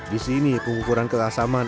disini pengukuran kelas aman